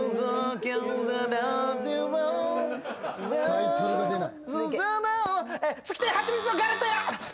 タイトルが出ない。